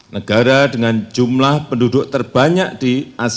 negara dengan jumlah penduduk terbanyak di asia